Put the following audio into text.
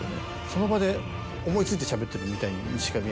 その場で思い付いてしゃべってるみたいにしか見えない。